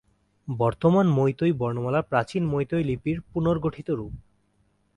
বর্তমান মৈতৈ বর্ণমালা প্রাচীন মৈতৈ লিপির পুনর্গঠিত রূপ।